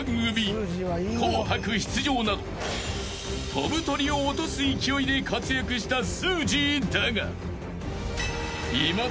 ［飛ぶ鳥を落とす勢いで活躍したすーじーだが］